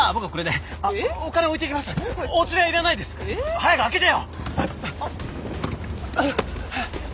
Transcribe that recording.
早く開けてよ！